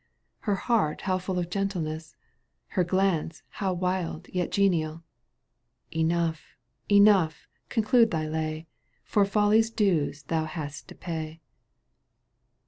Her heart how full of gentleness, Her glance how wild yet genial ! Enough, enough, conclude thy lay — For folly's dues thou hadst to pay.